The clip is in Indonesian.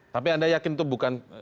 tapi anda yakin itu bukan